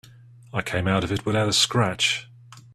I came out of it without a scratch.